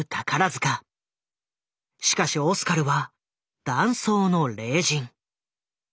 しかしオスカルは男装の麗人。